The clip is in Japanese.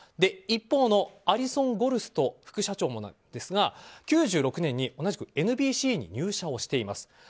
一方のアリソン・ゴルスト副社長もですが９６年に同じくＮＢＣに入社しています。